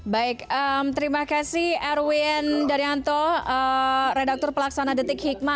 baik terima kasih erwin daryanto redaktur pelaksana detik hikmah